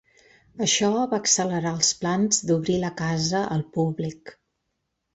Això va accelerar els plans d’obrir la casa al públic.